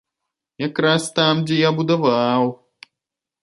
Якраз там, дзе я будаваў.